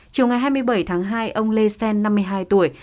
chiều ngày hai mươi bảy tháng hai ông lê xen năm mươi hai tuổi